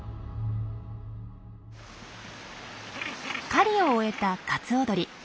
狩りを終えたカツオドリ。